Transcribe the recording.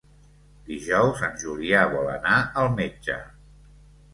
Dijous en Julià vol anar al metge.